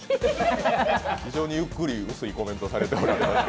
非常にゆっくり薄いコメントして。